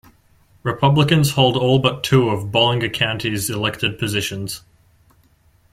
Republicans hold all but two of Bollinger County's elected positions.